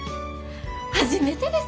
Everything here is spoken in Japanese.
初めてです。